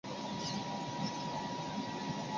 乾隆十年进士。